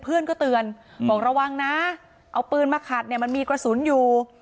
เพื่อนก็เตือนบอกระวังนะเอาปืนมาขัดเนี่ยมันมีกระสุนอยู่